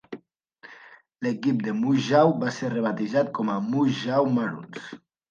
L'equip de Moose Jaw va ser rebatejat com a Moose Jaw Maroons.